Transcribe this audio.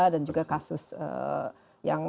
dan juga kasus yang